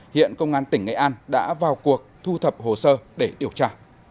hiện công an tỉnh nghệ an đã vào cuộc thu thập hồ sơ để điều tra